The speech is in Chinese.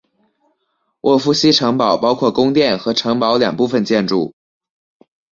沃夫西城堡包括宫殿和城堡两部分建筑。